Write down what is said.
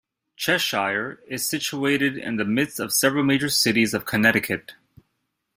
Cheshire is situated in the midst of several major cities of Connecticut.